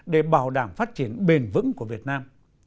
để bảo đảm phát triển bền vững của việt nam